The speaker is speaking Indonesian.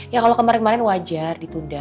ya kalau kemarin kemarin wajar ditunda